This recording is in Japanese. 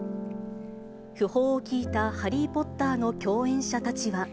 訃報を聞いたハリー・ポッターの共演者たちは。